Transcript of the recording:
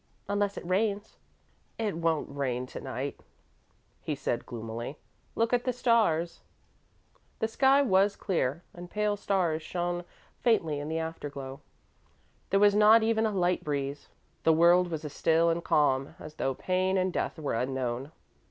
"Unless it rains." "It won't rain tonight," he said, gloomily; "look at the stars!" The sky was clear, and pale stars shone faintly in the afterglow. There was not even a light breeze the world was as still and calm as though pain and death were unknown.